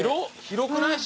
広くない？